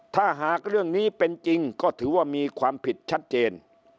ถ้าหากเรื่องนี้เป็นจริงก็ถือว่ามีความผิดชัดเจน